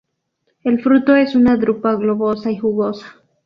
El fruto es una drupa globosa y jugosa.